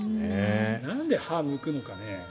なんで歯をむくのかね？